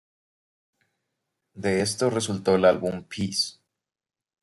De esto resultó el álbum "Peace".